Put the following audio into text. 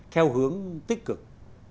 theo hướng tích cực